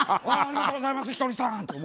ありがとうございます